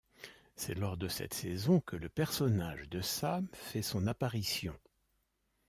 C'est lors de cette saison que le personnage de Sam fait son apparition.